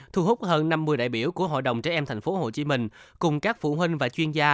thu hút hơn năm mươi đại biểu của hội đồng trẻ em tp hcm cùng các phụ huynh và chuyên gia